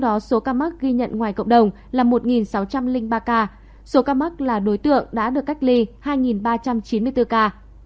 trong đó số ca mắc ghi nhận ngoài cộng đồng là một sáu trăm linh ba ca số ca mắc là đối tượng đã được cách ly hai ba trăm chín mươi bốn ca